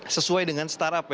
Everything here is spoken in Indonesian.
sesuai dengan startup ya